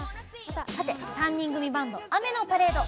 さて３人組バンド雨のパレード。